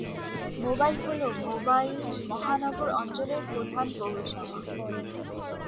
Mobile হল Mobile মহানগর অঞ্চলের প্রধান পৌরসভা।